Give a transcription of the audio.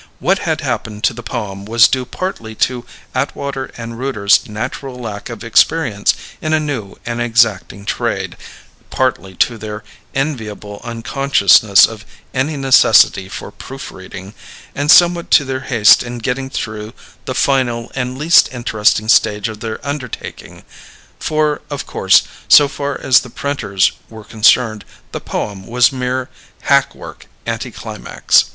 What had happened to the poem was due partly to Atwater & Rooter's natural lack of experience in a new and exacting trade; partly to their enviable unconsciousness of any necessity for proof reading; and somewhat to their haste in getting through the final and least interesting stage of their undertaking; for of course so far as the printers were concerned, the poem was mere hack work anti climax.